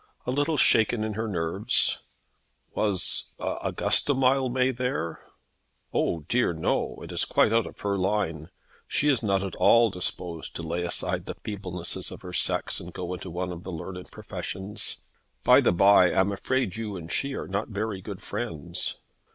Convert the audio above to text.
"A little shaken in her nerves." "Was Augusta Mildmay there?" "Oh dear no. It is quite out of her line. She is not at all disposed to lay aside the feeblenesses of her sex and go into one of the learned professions. By the bye, I am afraid you and she are not very good friends."